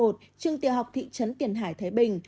trường tiểu học thị trấn tiền hải thái bình